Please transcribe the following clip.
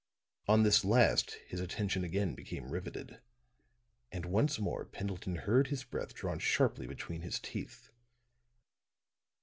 On this last his attention again became riveted; and once more Pendleton heard his breath drawn sharply between his teeth.